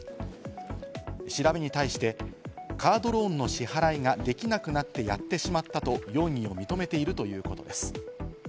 調べに対して、カードローンの支払いができなくなってやってしまったと容疑を認めているということです。